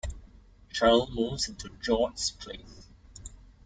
Cheryl moves into George's place.